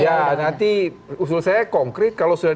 ya nanti usul saya konkret kalau sudah